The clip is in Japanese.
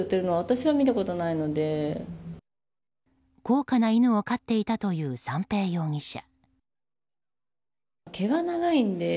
高価な犬を飼っていたという三瓶容疑者。